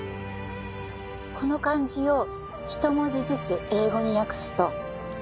この漢字を一文字ずつ英語に訳すと。